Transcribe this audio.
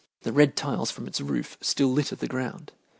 The red tiles from its roof still litter the ground.